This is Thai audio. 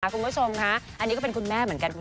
คุณผู้ชมค่ะอันนี้ก็เป็นคุณแม่เหมือนกัน